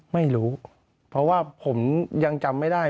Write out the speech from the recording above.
ไม่รู้เพราะว่าผมยังจำไม่ได้